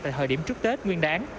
tại thời điểm trước tết nguyên đáng